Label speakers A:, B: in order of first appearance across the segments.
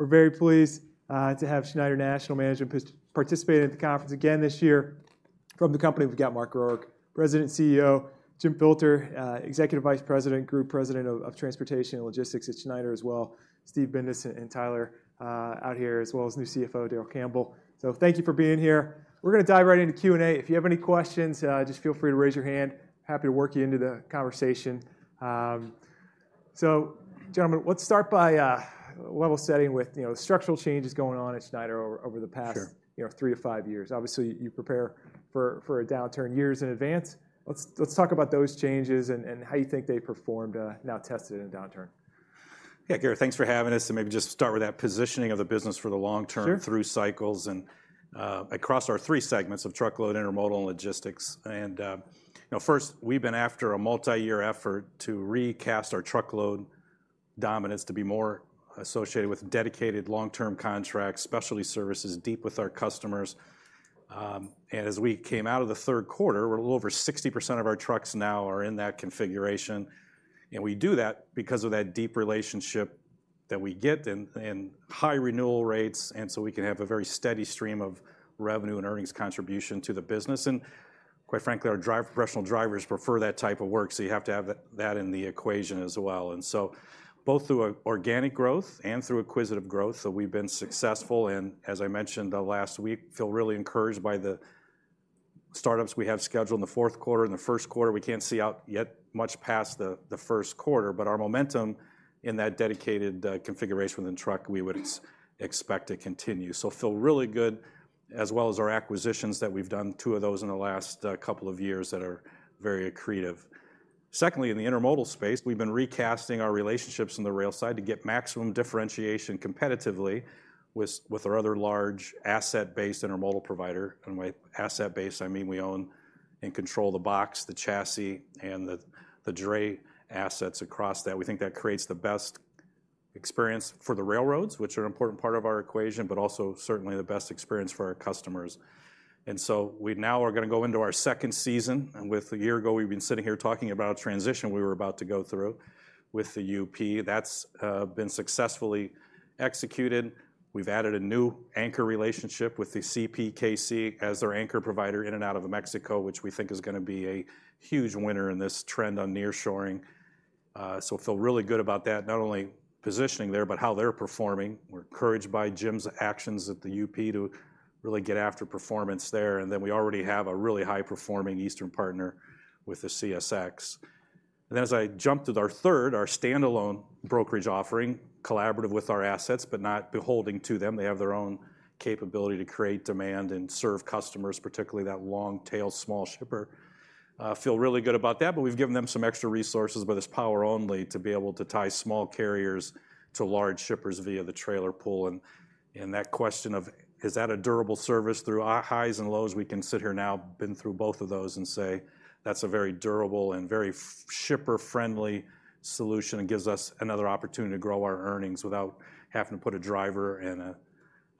A: We're very pleased to have Schneider National management to participate at the conference again this year. From the company, we've got Mark Rourke, President and CEO, Jim Filter, Executive Vice President, Group President of Transportation and Logistics at Schneider as well, Steve Bindas and Tyler out here, as well as new CFO, Darrell Campbell. Thank you for being here. We're gonna dive right into Q&A. If you have any questions, just feel free to raise your hand. Happy to work you into the conversation. So gentlemen, let's start by level setting with, you know, the structural changes going on at Schneider over the past—
B: Sure.
A: You know, three to five years. Obviously, you prepare for a downturn years in advance. Let's talk about those changes and how you think they performed now tested in a downturn.
B: Yeah, Garrett, thanks for having us, and maybe just start with that positioning of the business for the long term—
A: Sure.
B: Through cycles and across our three segments of Truckload, Intermodal, and Logistics. And you know, first, we've been after a multi-year effort to recast our Truckload dominance to be more associated with dedicated long-term contracts, specialty services, deep with our customers. And as we came out of the third quarter, we're a little over 60% of our trucks now are in that configuration, and we do that because of that deep relationship that we get and high renewal rates, and so we can have a very steady stream of revenue and earnings contribution to the business. And quite frankly, our drivers, professional drivers prefer that type of work, so you have to have that in the equation as well. And so both through organic growth and through acquisitive growth, so we've been successful, and as I mentioned last week, feel really encouraged by the startups we have scheduled in the fourth quarter and the first quarter. We can't see out yet much past the first quarter, but our momentum in that dedicated configuration within truck, we would expect to continue. So feel really good, as well as our acquisitions, that we've done two of those in the last couple of years that are very accretive. Secondly, in the Intermodal space, we've been recasting our relationships in the rail side to get maximum differentiation competitively with our other large asset base intermodal provider. And by asset base, I mean we own and control the box, the chassis, and the dray assets across that. We think that creates the best experience for the railroads, which are an important part of our equation, but also certainly the best experience for our customers. And so we now are gonna go into our second season, and with a year ago, we've been sitting here talking about a transition we were about to go through with the UP. That's been successfully executed. We've added a new anchor relationship with the CPKC as our anchor provider in and out of Mexico, which we think is gonna be a huge winner in this trend on nearshoring. So feel really good about that, not only positioning there, but how they're performing. We're encouraged by Jim's actions at the UP to really get after performance there, and then we already have a really high-performing eastern partner with the CSX. And as I jump to our third, our standalone brokerage offering, collaborative with our assets, but not beholden to them, they have their own capability to create demand and serve customers, particularly that long-tail, small shipper. Feel really good about that, but we've given them some extra resources with its Power Only to be able to tie small carriers to large shippers via the trailer pool. And that question of, "Is that a durable service through our highs and lows?" We can sit here now, been through both of those, and say, "That's a very durable and very shipper-friendly solution, and gives us another opportunity to grow our earnings without having to put a driver and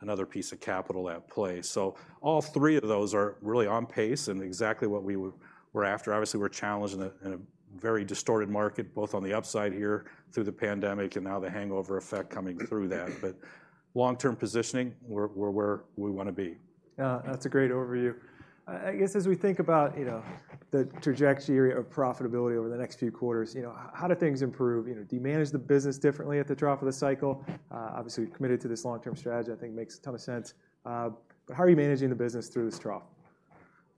B: another piece of capital at play." So all three of those are really on pace and exactly what we were after. Obviously, we're challenged in a very distorted market, both on the upside here, through the pandemic, and now the hangover effect coming through that. But long-term positioning, we're where we wanna be.
A: That's a great overview. I guess, as we think about, you know, the trajectory of profitability over the next few quarters, you know, how do things improve? You know, do you manage the business differently at the trough of the cycle? Obviously, you're committed to this long-term strategy, I think makes a ton of sense, but how are you managing the business through this trough?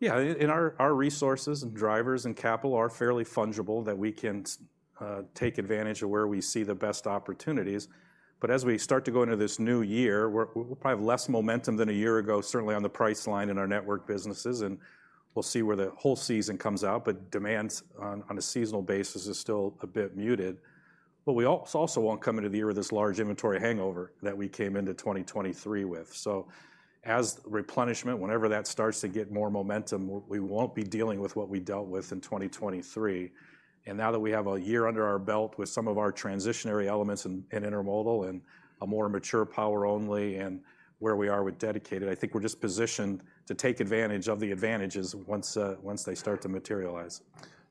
B: Yeah, and our resources and drivers and capital are fairly fungible, that we can take advantage of where we see the best opportunities. But as we start to go into this new year, we'll probably have less momentum than a year ago, certainly on the price line in our network businesses, and we'll see where the whole season comes out, but demands on a seasonal basis is still a bit muted. But we also won't come into the year with this large inventory hangover that we came into 2023 with. So as replenishment, whenever that starts to get more momentum, we won't be dealing with what we dealt with in 2023. And now that we have a year under our belt with some of our transitionary elements in Intermodal and a more mature Power Only and where we are with Dedicated, I think we're just positioned to take advantage of the advantages once they start to materialize.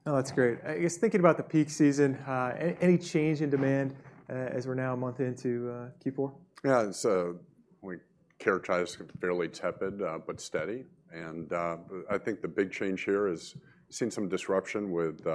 A: Oh, that's great. I guess, thinking about the peak season, any change in demand as we're now a month into Q4?
C: Yeah, it's we characterize it fairly tepid, but steady, and I think the big change here is seen some disruption with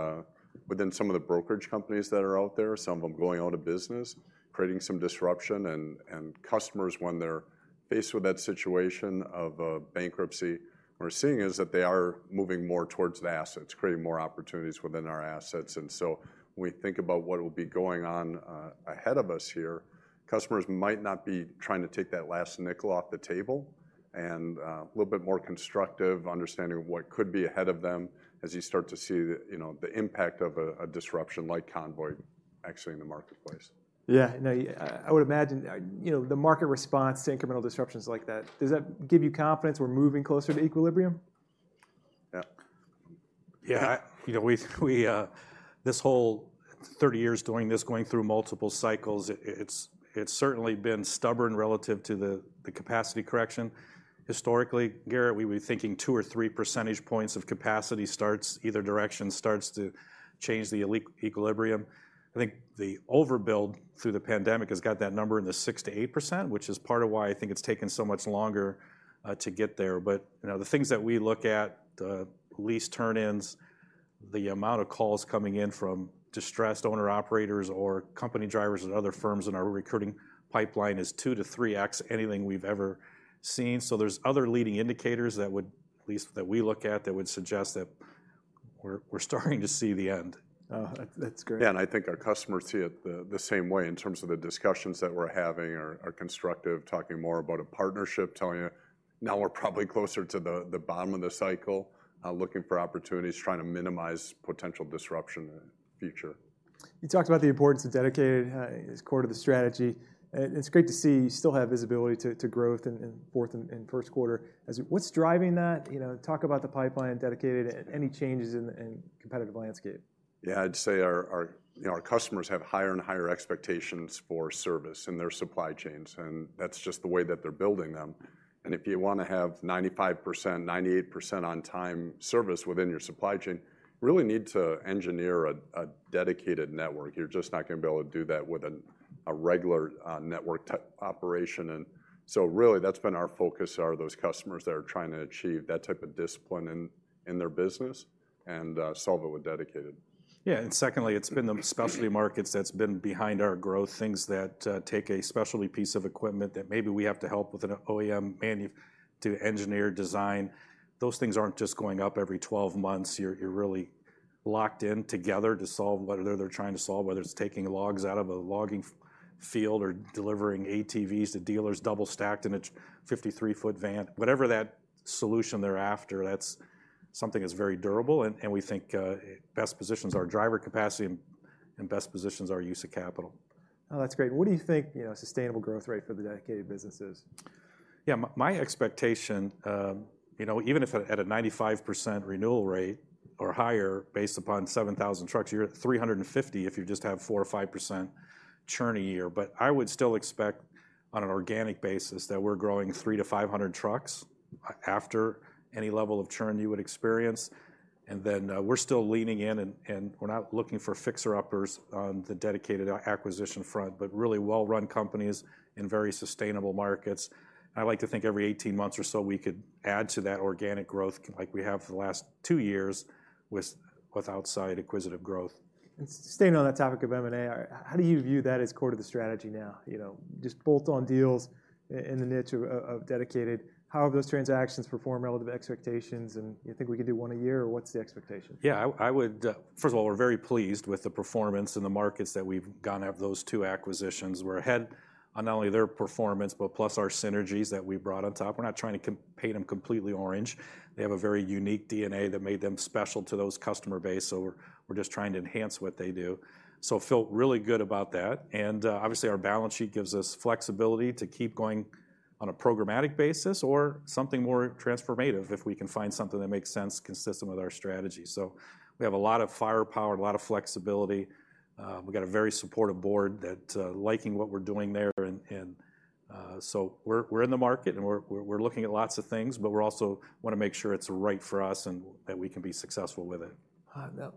C: within some of the brokerage companies that are out there, some of them going out of business, creating some disruption. And customers, when they're faced with that situation of bankruptcy, what we're seeing is that they are moving more towards the assets, creating more opportunities within our assets. And so when we think about what will be going on ahead of us here, customers might not be trying to take that last nickel off the table, and a little bit more constructive understanding of what could be ahead of them as you start to see the, you know, the impact of a disruption like Convoy exiting the marketplace.
A: Yeah. No, I would imagine, you know, the market response to incremental disruptions like that, does that give you confidence we're moving closer to equilibrium?
C: Yeah.
B: Yeah, you know, this whole 30 years doing this, going through multiple cycles, it's certainly been stubborn relative to the capacity correction. Historically, Garrett, we'd be thinking 2 percentage points or 3 percentage points of capacity starts, either direction, starts to change the equilibrium. I think the overbuild through the pandemic has got that number in the 6%-8%, which is part of why I think it's taken so much longer to get there. But, you know, the things that we look at, the lease turn-ins, the amount of calls coming in from distressed owner-operators or company drivers at other firms in our recruiting pipeline is 2x-3xanything we've ever seen. So there's other leading indicators that would, at least that we look at, that would suggest that we're starting to see the end.
A: Oh, that, that's great.
C: Yeah, and I think our customers see it the same way in terms of the discussions that we're having are constructive, talking more about a partnership, telling you now we're probably closer to the bottom of the cycle, looking for opportunities, trying to minimize potential disruption in the future.
A: You talked about the importance of Dedicated as core to the strategy, and it's great to see you still have visibility to growth in fourth and first quarter. What's driving that? You know, talk about the pipeline, Dedicated, any changes in the competitive landscape.
C: Yeah, I'd say our, you know, our customers have higher and higher expectations for service in their supply chains, and that's just the way that they're building them. And if you wanna have 95%, 98% on-time service within your supply chain, you really need to engineer a dedicated network. You're just not gonna be able to do that with a regular network type operation, and so really, that's been our focus, are those customers that are trying to achieve that type of discipline in their business and solve it with dedicated.
B: Yeah, and secondly, it's been the specialty markets that's been behind our growth, things that take a specialty piece of equipment that maybe we have to help with an OEM to engineer, design. Those things aren't just going up every 12 months. You're really locked in together to solve whatever they're trying to solve, whether it's taking logs out of a logging field or delivering ATVs to dealers double-stacked in a 53-ft van. Whatever that solution they're after, that's something that's very durable and we think it best positions our driver capacity and best positions our use of capital.
A: Oh, that's great. What do you think, you know, sustainable growth rate for the Dedicated business is?
B: Yeah, my expectation, you know, even if at, at a 95% renewal rate or higher based upon 7,000 trucks, you're at 350 if you just have 4% or 5% churn a year. But I would still expect, on an organic basis, that we're growing 300-500 trucks after any level of churn you would experience. And then, we're still leaning in, and we're not looking for fixer-uppers on the dedicated acquisition front, but really well-run companies in very sustainable markets. I like to think every 18 months or so, we could add to that organic growth, like we have for the last two years, with outside acquisitive growth.
A: Staying on that topic of M&A, how do you view that as core to the strategy now? You know, just bolt-on deals in the niche of Dedicated, how have those transactions performed relative to expectations, and you think we can do one a year, or what's the expectation?
B: Yeah, I would. First of all, we're very pleased with the performance in the markets that we've gone after those two acquisitions. We're ahead on not only their performance, but plus our synergies that we brought on top. We're not trying to repaint them completely orange. They have a very unique DNA that made them special to those customer base, so we're just trying to enhance what they do, so feel really good about that. And obviously, our balance sheet gives us flexibility to keep going on a programmatic basis or something more transformative if we can find something that makes sense consistent with our strategy. So we have a lot of firepower and a lot of flexibility. We've got a very supportive board that liking what we're doing there, and so we're in the market, and we're looking at lots of things, but we're also wanna make sure it's right for us and that we can be successful with it.
A: Well,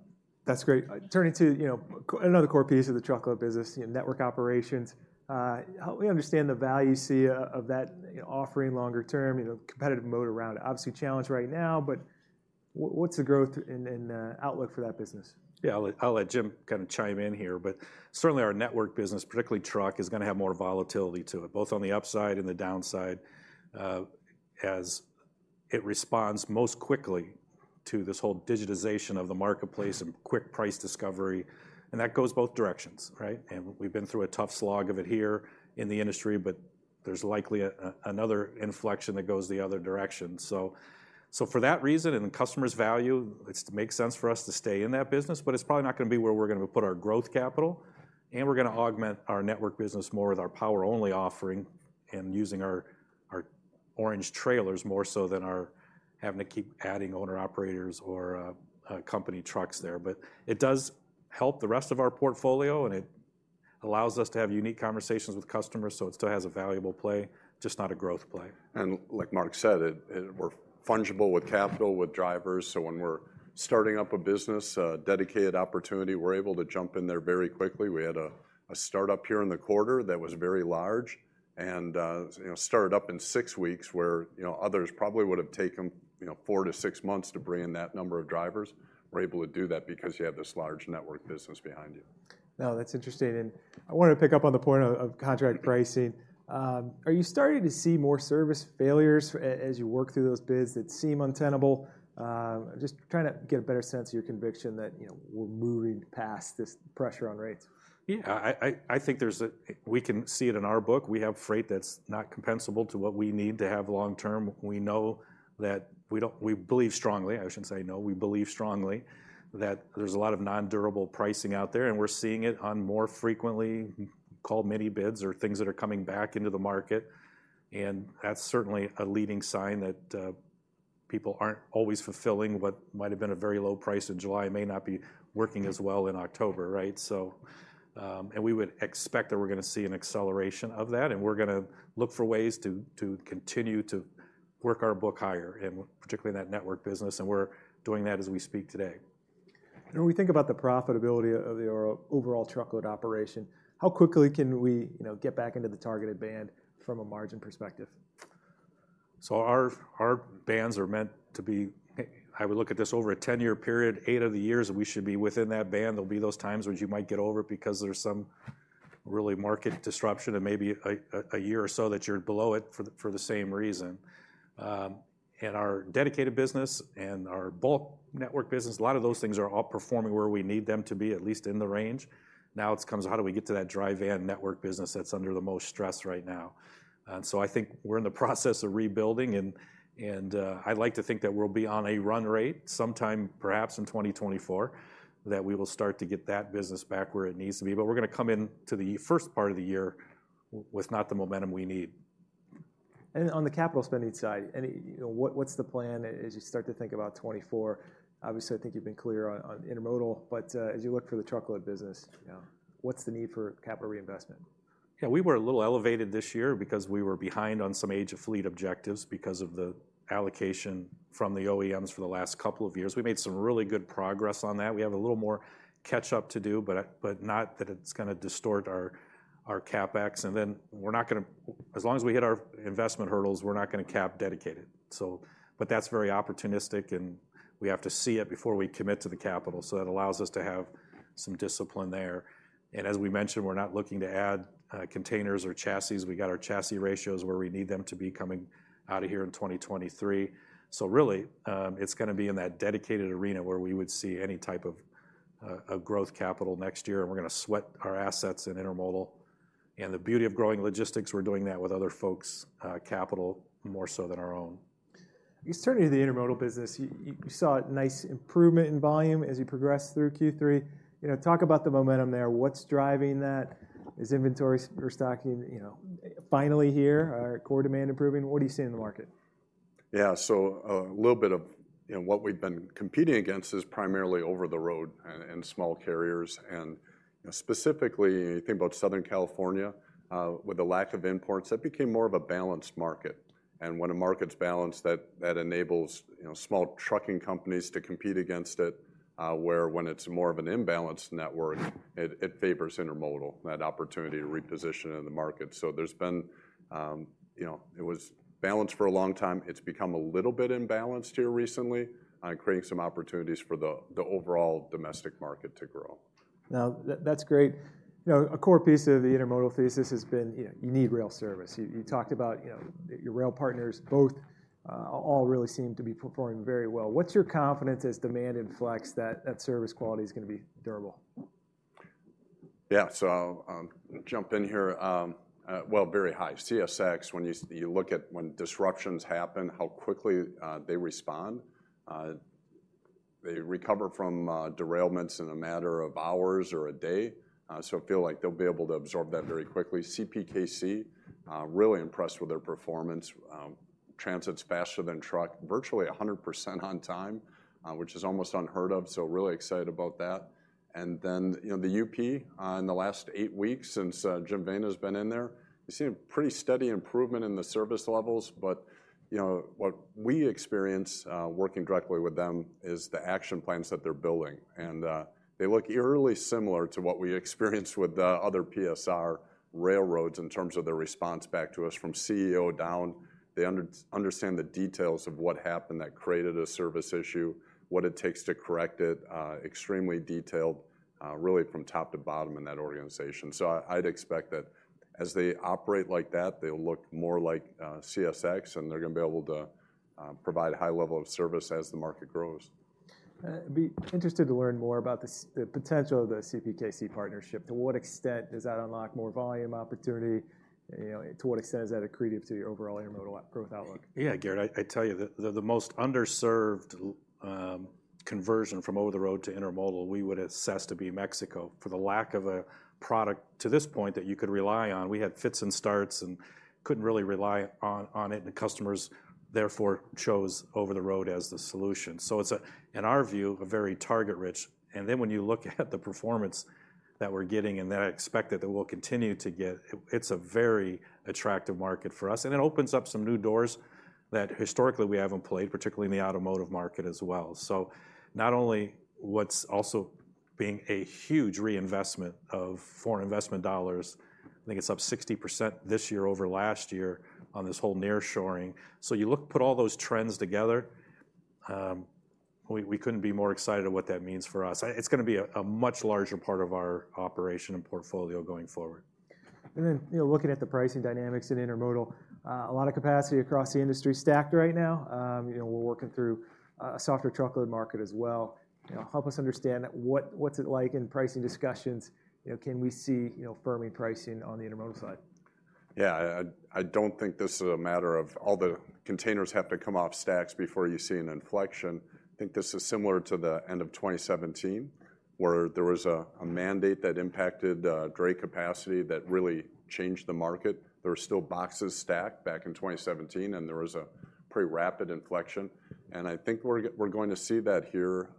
A: that's great. Turning to, you know, another core piece of the Truckload business, you know, network operations. Help me understand the value you see of that, you know, offering longer term, you know, competitive moat around it. Obviously, challenged right now, but what's the growth and outlook for that business?
B: Yeah, I'll let Jim kind of chime in here, but certainly our network business, particularly truck, is gonna have more volatility to it, both on the upside and the downside, as it responds most quickly to this whole digitization of the marketplace and quick price discovery, and that goes both directions, right? And we've been through a tough slog of it here in the industry, but there's likely another inflection that goes the other direction. So for that reason and the customers' value, it makes sense for us to stay in that business, but it's probably not gonna be where we're gonna put our growth capital, and we're gonna augment our network business more with our power-only offering and using our orange trailers more so than our having to keep adding owner-operators or company trucks there. But it does help the rest of our portfolio, and it allows us to have unique conversations with customers, so it still has a valuable play, just not a growth play.
C: Like Mark said, we're fungible with capital, with drivers, so when we're starting up a business, a dedicated opportunity, we're able to jump in there very quickly. We had a start-up here in the quarter that was very large and, you know, started up in six weeks, where, you know, others probably would have taken, you know, four to six months to bring in that number of drivers. We're able to do that because you have this large network business behind you.
A: Now, that's interesting, and I wanted to pick up on the point of contract pricing. Are you starting to see more service failures as you work through those bids that seem untenable? Just trying to get a better sense of your conviction that, you know, we're moving past this pressure on rates.
B: Yeah, I think there's a—we can see it in our book. We have freight that's not compensable to what we need to have long term. We know that we don't—we believe strongly, I shouldn't say know, we believe strongly—that there's a lot of non-durable pricing out there, and we're seeing it on more frequently called mini bids or things that are coming back into the market, and that's certainly a leading sign that people aren't always fulfilling. What might have been a very low price in July may not be working as well in October, right? So, and we would expect that we're gonna see an acceleration of that, and we're gonna look for ways to continue to work our book higher, and particularly in that network business, and we're doing that as we speak today.
A: When we think about the profitability of our overall Truckload operation, how quickly can we, you know, get back into the targeted band from a margin perspective?
B: So our bands are meant to be. I would look at this over a 10-year period, eight of the years we should be within that band. There'll be those times when you might get over it because there's some really market disruption and maybe a year or so that you're below it for the same reason. And our Dedicated business and our Bulk network business, a lot of those things are outperforming where we need them to be, at least in the range. Now, it comes, how do we get to that dry van network business that's under the most stress right now? So I think we're in the process of rebuilding and I'd like to think that we'll be on a run rate sometime, perhaps in 2024, that we will start to get that business back where it needs to be. But we're gonna come in to the first part of the year with not the momentum we need.
A: On the capital spending side, any, you know, what, what's the plan as you start to think about 2024? Obviously, I think you've been clear on, on Intermodal, but as you look for the Truckload business, you know, what's the need for capital reinvestment?
B: Yeah, we were a little elevated this year because we were behind on some age of fleet objectives because of the allocation from the OEMs for the last couple of years. We made some really good progress on that. We have a little more catch up to do, but not that it's gonna distort our CapEx, and then we're not gonna, as long as we hit our investment hurdles, we're not gonna cap Dedicated. But that's very opportunistic, and we have to see it before we commit to the capital, so that allows us to have some discipline there. And as we mentioned, we're not looking to add containers or chassis. We got our chassis ratios where we need them to be coming out of here in 2023. So really, it's gonna be in that Dedicated arena where we would see any type of a growth capital next year, and we're gonna sweat our assets in Intermodal. And the beauty of growing Logistics, we're doing that with other folks' capital more so than our own.
A: You certainly, the Intermodal business, you saw a nice improvement in volume as you progressed through Q3. You know, talk about the momentum there. What's driving that? Is inventory or stocking, you know, finally here? Are core demand improving? What do you see in the market?
C: Yeah, so a little bit of, you know, what we've been competing against is primarily over-the-road and small carriers. And, you know, specifically, you think about Southern California with the lack of imports, that became more of a balanced market. And when a market's balanced, that enables, you know, small trucking companies to compete against it, where when it's more of an imbalanced network, it favors Intermodal, that opportunity to reposition in the market. So there's been, you know, it was balanced for a long time. It's become a little bit imbalanced here recently on creating some opportunities for the overall domestic market to grow.
A: Now, that's great. You know, a core piece of the Intermodal thesis has been, you know, you need rail service. You talked about, you know, your rail partners both all really seem to be performing very well. What's your confidence as demand inflects that that service quality is gonna be durable?
C: Yeah. So I'll jump in here. Well, very high. CSX, when you look at when disruptions happen, how quickly they respond, they recover from derailments in a matter of hours or a day. So feel like they'll be able to absorb that very quickly. CPKC, really impressed with their performance. Transit's faster than truck, virtually 100% on time, which is almost unheard of, so really excited about that. And then, you know, the UP, in the last eight weeks since Jim Vena's been in there, we've seen a pretty steady improvement in the service levels. But, you know, what we experience working directly with them is the action plans that they're building. They look eerily similar to what we experienced with the other PSR railroads in terms of their response back to us from CEO down. They understand the details of what happened that created a service issue, what it takes to correct it, extremely detailed, really from top to bottom in that organization. So I'd expect that as they operate like that, they'll look more like CSX, and they're gonna be able to provide a high level of service as the market grows.
A: I'd be interested to learn more about the potential of the CPKC partnership. To what extent does that unlock more volume opportunity? You know, to what extent is that accretive to your overall Intermodal outgrowth outlook?
B: Yeah, Garrett, I tell you, the most underserved conversion from over the road to intermodal, we would assess to be Mexico. For the lack of a product to this point that you could rely on, we had fits and starts and couldn't really rely on it, and the customers therefore chose over the road as the solution. So it's, in our view, a very target-rich. And then, when you look at the performance that we're getting, and that I expect that we'll continue to get, it's a very attractive market for us. And it opens up some new doors that historically we haven't played, particularly in the automotive market as well. So not only what's also being a huge reinvestment of foreign investment dollars, I think it's up 60% this year over last year on this whole nearshoring. So you look, put all those trends together, we couldn't be more excited at what that means for us. It's gonna be a much larger part of our operation and portfolio going forward.
A: And then, you know, looking at the pricing dynamics in Intermodal, a lot of capacity across the industry is stacked right now. You know, we're working through a softer truckload market as well. You know, help us understand, what, what's it like in pricing discussions? You know, can we see, you know, firming pricing on the intermodal side?
C: Yeah, I don't think this is a matter of all the containers have to come off stacks before you see an inflection. I think this is similar to the end of 2017, where there was a mandate that impacted dray capacity that really changed the market. There were still boxes stacked back in 2017, and there was a pretty rapid inflection, and I think we're going to see that here,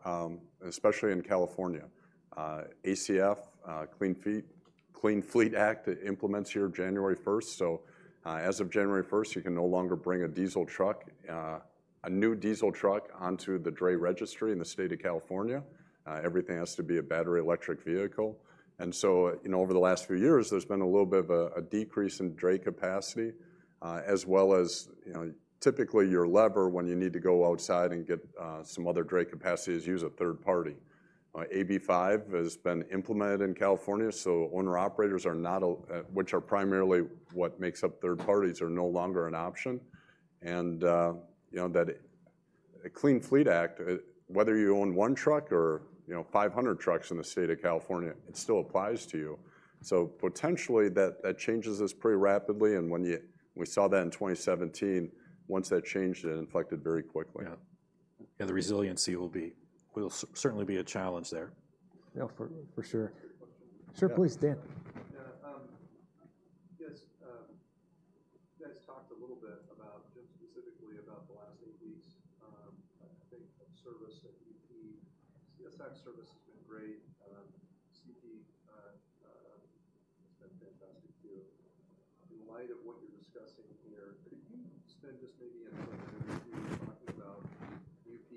C: especially in California. ACF, Clean Fleet Act, it implements here January first. So, as of January first, you can no longer bring a diesel truck, a new diesel truck onto the dray registry in the state of California. Everything has to be a battery electric vehicle. And so, you know, over the last few years, there's been a little bit of a decrease in dray capacity, as well as, you know, typically, your lever when you need to go outside and get some other dray capacity is use a third party. AB 5 has been implemented in California, so owner-operators are not a which are primarily what makes up third parties, are no longer an option. And, you know, that the Clean Fleet Act, whether you own one truck or, you know, 500 trucks in the state of California, it still applies to you. So potentially, that, that changes this pretty rapidly, and we saw that in 2017. Once that changed, it inflected very quickly.
B: Yeah, and the resiliency will certainly be a challenge there.
A: Yeah, for sure.
D: Question.
A: Sure, please, Dan.
D: Yeah, I guess, you guys talked a little bit about, just specifically about the last eight weeks, I think of service at UP. CSX service has been great. CP, it's been fantastic, too. In light of what you're discussing here, could you spend just maybe a minute or two talking about UP,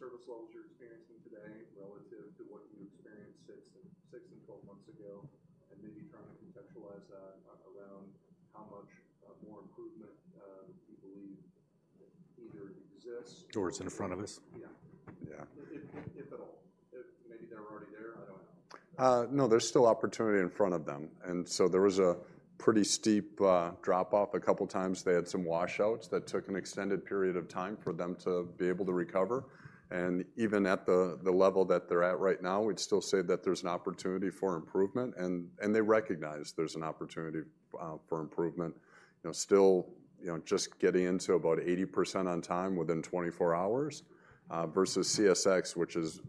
D: service levels you're experiencing today relative to what you experienced 6-12 months ago? And maybe trying to contextualize that around how much, more improvement, you believe either exists—
C: Doors in front of us?
D: Yeah.
C: Yeah.
D: If at all. If maybe they're already there, I don't know.
C: No, there's still opportunity in front of them, and so there was a pretty steep drop-off a couple times. They had some washouts that took an extended period of time for them to be able to recover, and even at the level that they're at right now, we'd still say that there's an opportunity for improvement, and they recognize there's an opportunity for improvement. You know, still, you know, just getting to about 80% on time within 24 hours versus CSX, which has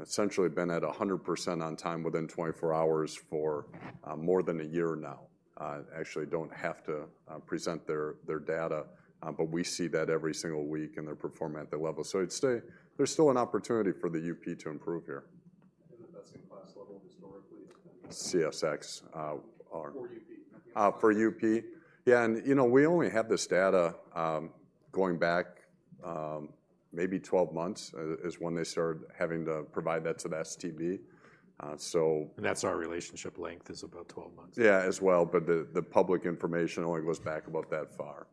C: essentially been at 100% on time within 24 hours for more than a year now. Actually don't have to present their data, but we see that every single week, and they're performing at that level. So it's still, there's still an opportunity for the UP to improve here.
D: [inaudible]
C: CSX.
D: [inaudible]
C: For UP? Yeah, and, you know, we only have this data going back maybe 12 months is when they started having to provide that to the STB.
B: That's our relationship length is about 12 months.
C: Yeah, as well, but the public information only goes back about that far.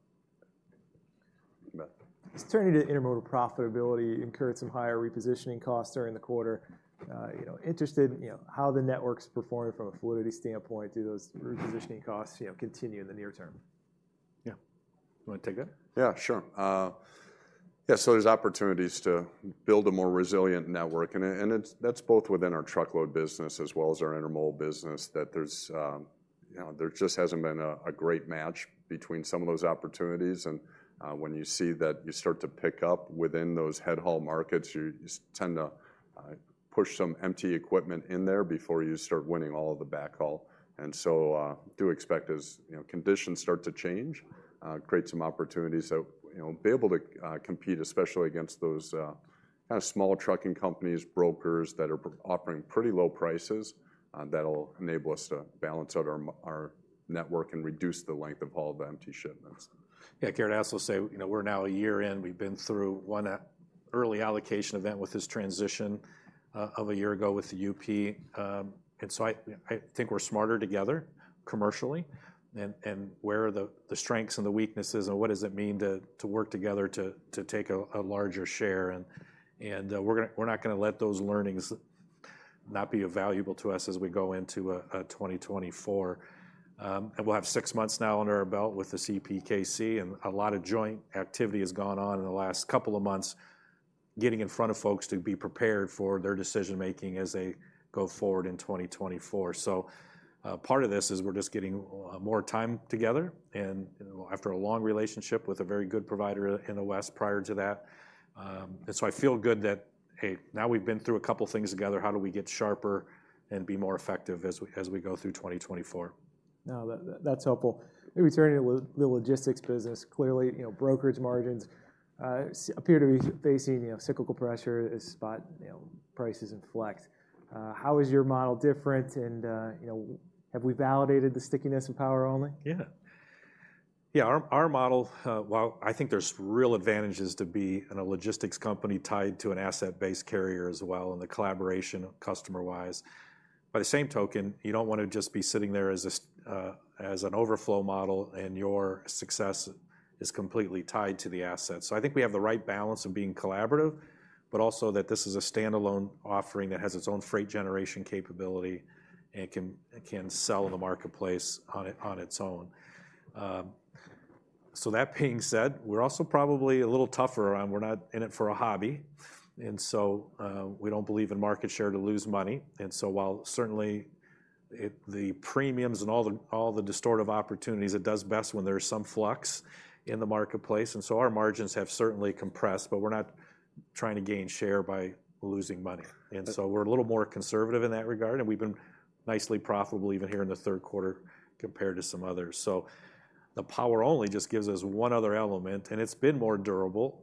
A: Just turning to Intermodal profitability, you incurred some higher repositioning costs during the quarter. You know, interested in, you know, how the network's performing from a fluidity standpoint. Do those repositioning costs, you know, continue in the near term?
B: Yeah. You wanna take that?
C: Yeah, sure. Yeah, so there's opportunities to build a more resilient network, and it's, that's both within our Truckload business as well as our Intermodal business, that there's, you know, there just hasn't been a great match between some of those opportunities. And, when you see that, you start to pick up within those headhaul markets, you tend to push some empty equipment in there before you start winning all of the backhaul. And so, do expect as, you know, conditions start to change, create some opportunities that, you know, be able to compete, especially against those kinda smaller trucking companies, brokers, that are offering pretty low prices. That'll enable us to balance out our network and reduce the length of all the empty shipments.
B: Yeah, Garrett, I'd also say, you know, we're now a year in. We've been through one early allocation event with this transition of a year ago with the UP. And so I think we're smarter together commercially, and where are the strengths and the weaknesses, and what does it mean to work together to take a larger share? And we're gonna—we're not gonna let those learnings not be valuable to us as we go into 2024. And we'll have six months now under our belt with the CPKC, and a lot of joint activity has gone on in the last couple of months, getting in front of folks to be prepared for their decision-making as they go forward in 2024. So, part of this is we're just getting more time together, and, you know, after a long relationship with a very good provider in the West prior to that. And so I feel good that, hey, now we've been through a couple things together, how do we get sharper and be more effective as we, as we go through 2024?
A: No, that, that's helpful. Maybe turning to the Logistics business, clearly, you know, brokerage margins appear to be facing, you know, cyclical pressure as spot, you know, prices inflect. How is your model different, and, you know, have we validated the stickiness of Power Only?
B: Yeah. Yeah, our model, while I think there's real advantages to be in a logistics company tied to an asset-based carrier as well, and the collaboration customer-wise, by the same token, you don't want to just be sitting there as an overflow model, and your success is completely tied to the asset. So I think we have the right balance of being collaborative, but also that this is a standalone offering that has its own freight generation capability and it can sell in the marketplace on its own. So that being said, we're also probably a little tougher, we're not in it for a hobby. And so, we don't believe in market share to lose money. While certainly it, the premiums and all the, all the distortive opportunities, it does best when there's some flux in the marketplace. Our margins have certainly compressed, but we're not trying to gain share by losing money. We're a little more conservative in that regard, and we've been nicely profitable even here in the third quarter, compared to some others. The Power Only just gives us one other element, and it's been more durable,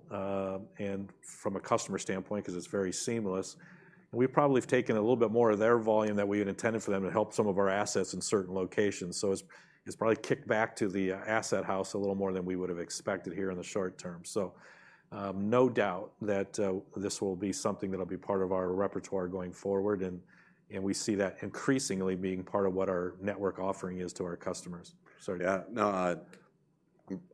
B: and from a customer standpoint, 'cause it's very seamless. We probably have taken a little bit more of their volume than we had intended for them to help some of our assets in certain locations. It's probably kicked back to the asset house a little more than we would have expected here in the short term. So, no doubt that this will be something that'll be part of our repertoire going forward, and we see that increasingly being part of what our network offering is to our customers. So yeah.
C: No, I'm,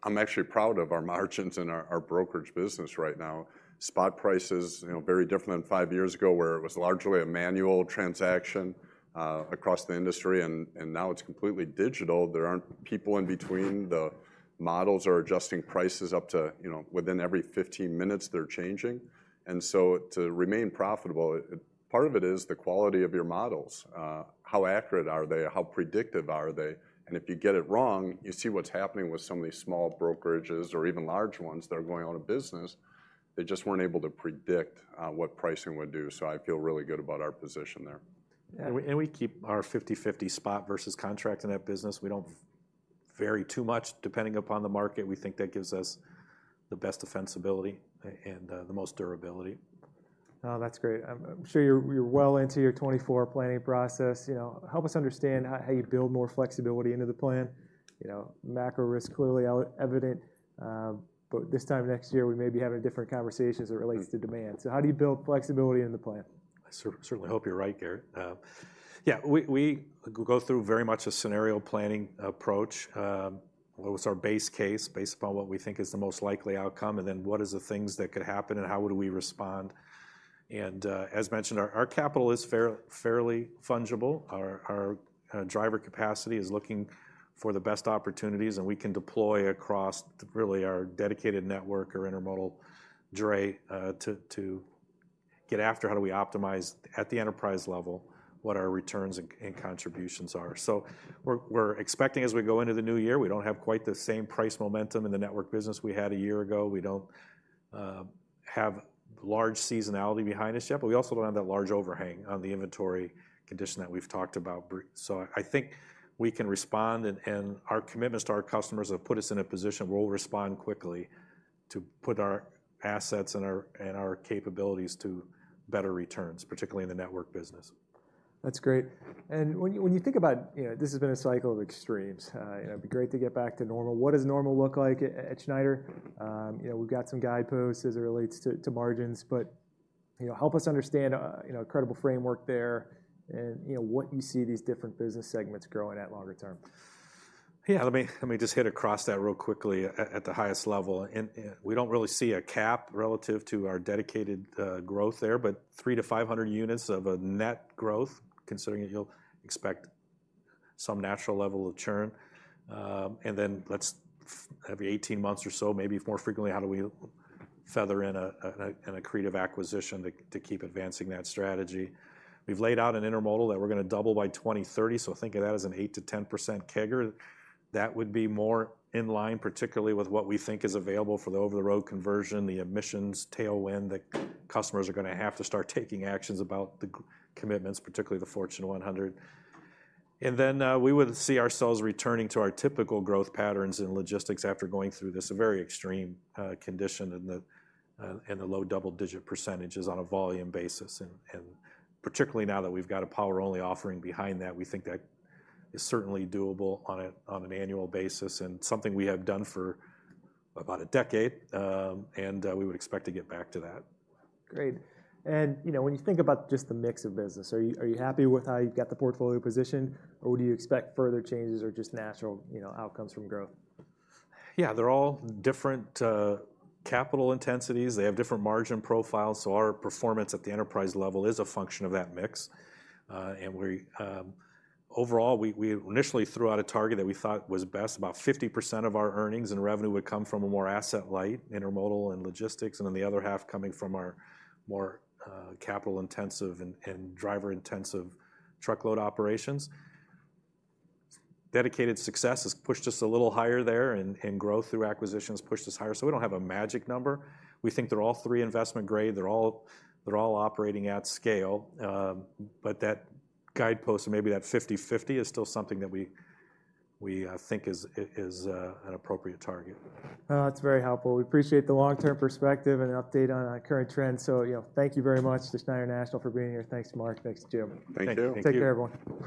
C: I'm actually proud of our margins and our, our brokerage business right now. Spot prices, you know, very different than five years ago, where it was largely a manual transaction across the industry, and, and now it's completely digital. There aren't people in between. The models are adjusting prices up to, you know, within every 15 minutes, they're changing. And so to remain profitable, it, part of it is the quality of your models. How accurate are they? How predictive are they? And if you get it wrong, you see what's happening with some of these small brokerages or even large ones that are going out of business. They just weren't able to predict what pricing would do. So I feel really good about our position there.
B: We keep our 50/50 spot versus contract in that business. We don't vary too much, depending upon the market. We think that gives us the best defensibility and the most durability.
A: Oh, that's great. I'm sure you're well into your 2024 planning process. You know, help us understand how you build more flexibility into the plan. You know, macro risk, clearly evident, but this time next year, we may be having a different conversation as it relates to demand. So how do you build flexibility in the plan?
B: I certainly hope you're right, Garrett. Yeah, we go through very much a scenario planning approach. What's our base case, based upon what we think is the most likely outcome, and then what is the things that could happen and how would we respond? And, as mentioned, our capital is fairly fungible. Our driver capacity is looking for the best opportunities, and we can deploy across really our dedicated network or intermodal dray, to get after how do we optimize at the enterprise level, what our returns and contributions are. So we're expecting as we go into the new year, we don't have quite the same price momentum in the network business we had a year ago. We don't have large seasonality behind us yet, but we also don't have that large overhang on the inventory condition that we've talked about brief. So I think we can respond, and our commitment to our customers have put us in a position where we'll respond quickly to put our assets and our capabilities to better returns, particularly in the network business.
A: That's great. And when you think about, you know, this has been a cycle of extremes, it'd be great to get back to normal. What does normal look like at Schneider? You know, we've got some guideposts as it relates to margins, but, you know, help us understand, you know, credible framework there and, you know, what you see these different business segments growing at longer term.
B: Yeah, let me just hit across that real quickly at the highest level. And we don't really see a cap relative to our Dedicated growth there, but 300-500 units of a net growth, considering that you'll expect some natural level of churn. And then every 18 months or so, maybe more frequently, how do we feather in an accretive acquisition to keep advancing that strategy? We've laid out an Intermodal that we're gonna double by 2030, so think of that as an 8%-10% CAGR. That would be more in line, particularly with what we think is available for the over-the-road conversion, the emissions tailwind, the customers are gonna have to start taking actions about the commitments, particularly the Fortune 100. And then, we would see ourselves returning to our typical growth patterns in logistics after going through this very extreme condition in the low double-digit percentage is on a volume basis. And particularly now that we've got a Power Only offering behind that, we think that is certainly doable on an annual basis, and something we have done for about a decade. And we would expect to get back to that.
A: Great. You know, when you think about just the mix of business, are you happy with how you've got the portfolio positioned, or would you expect further changes or just natural, you know, outcomes from growth?
B: Yeah, they're all different capital intensities. They have different margin profiles, so our performance at the enterprise level is a function of that mix. And we, overall, we initially threw out a target that we thought was best. About 50% of our earnings and revenue would come from a more asset-light, Intermodal and Logistics, and then the other half coming from our more capital-intensive and driver-intensive Truckload operations. Dedicated success has pushed us a little higher there, and growth through acquisitions pushed us higher, so we don't have a magic number. We think they're all three investment grade. They're all operating at scale. But that guidepost and maybe that 50/50 is still something that we think is an appropriate target.
A: Oh, that's very helpful. We appreciate the long-term perspective and update on our current trends. So, you know, thank you very much to Schneider National for being here. Thanks, Mark. Thanks, Jim.
C: Thank you.
B: Thank you.
A: Take care, everyone.